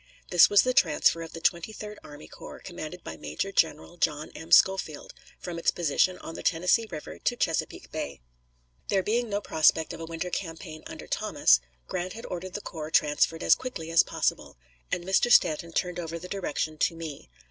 This was the transfer of the Twenty third Army Corps, commanded by Major General John M. Schofield, from its position on the Tennessee River to Chesapeake Bay. There being no prospect of a winter campaign under Thomas, Grant had ordered the corps transferred as quickly as possible, and Mr. Stanton turned over the direction to me.